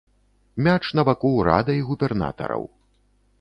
Мяч на баку ўрада і губернатараў.